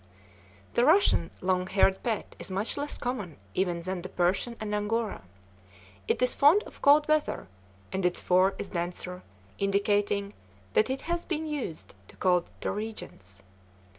The Russian long haired pet is much less common even than the Persian and Angora. It is fond of cold weather, and its fur is denser, indicating that it has been used to colder regions.